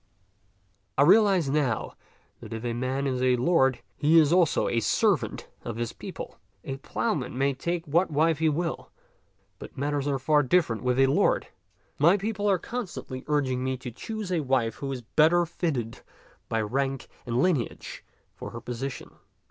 I realize now that if a man is a lord, he is also a servant of his people. A plough man may take what wife he will, but matters are far different with a lord. My people are constantly urg ing me to choose a wife who is better fitted by rank and lineage for her position.